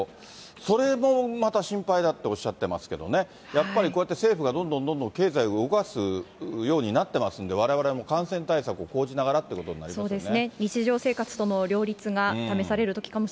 それもまた心配だっておっしゃってますけどね、やっぱりこうやって、政府がどんどんどんどん経済を動かすようになってますんで、われわれも感染対策を講じながらってことになりますね。